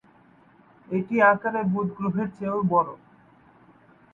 এটি আকারে বুধ গ্রহের চেয়েও বড়ো।